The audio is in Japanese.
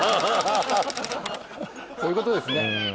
そういうことですね。